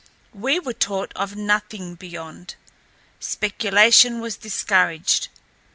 We were taught of nothing beyond. Speculation was discouraged.